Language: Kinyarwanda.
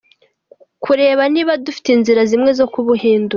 – Kureba niba dufite inzira zimwe zo ku buhindura;